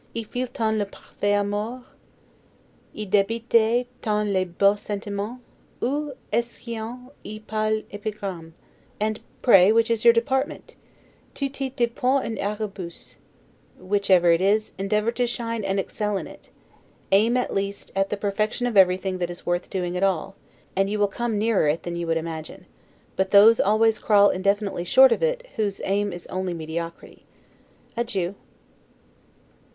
'Y file t on le parfait amour? Y debite t on les beaux sentimens? Ou est ce yu'on y parle Epigramme? And pray which is your department? 'Tutis depone in auribus'. Whichever it is, endeavor to shine and excel in it. Aim at least at the perfection of everything that is worth doing at all; and you will come nearer it than you would imagine; but those always crawl infinitely short of it whose aim is only mediocrity. Adieu.